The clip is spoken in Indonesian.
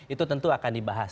itu tentu akan dibahas